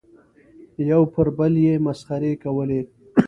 یو پر بل یې مسخرې کولې.